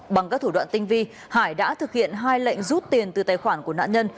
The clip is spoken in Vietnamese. bằng các thủ đoạn tinh vi hải đã thực hiện hai lệnh rút tiền từ tài khoản của nạn nhân